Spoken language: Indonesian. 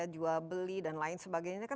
jual beli dan lain sebagainya